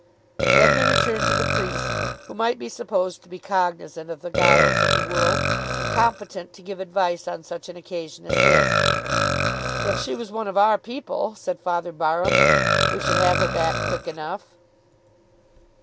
Then they returned to the priest, who might be supposed to be cognisant of the guiles of the world and competent to give advice on such an occasion as this. "If she was one of our people," said Father Barham, "we should have her back quick enough."